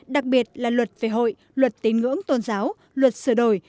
đặc biệt là luật về hội luật tín ngưỡng tôn giáo luật sửa đổi